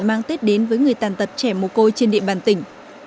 mang tết đến với người tàn tật trẻ mồ côi trên địa bàn tỉnh